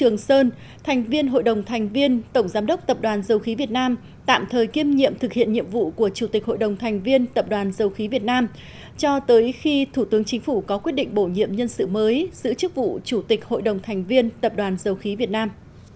trường sơn thành viên hội đồng thành viên tổng giám đốc tập đoàn dầu khí việt nam tạm thời kiêm nhiệm thực hiện nhiệm vụ của chủ tịch hội đồng thành viên tập đoàn dầu khí việt nam cho tới khi thủ tướng chính phủ có quyết định bổ nhiệm nhân sự mới giữ chức vụ chủ tịch hội đồng thành viên tập đoàn dầu khí việt nam